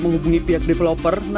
terus janjinya sih satu tahun beres